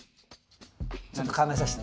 ちょっと考えさせて。